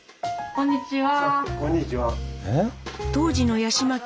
こんにちは。